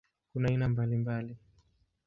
Kuna aina mbalimbali.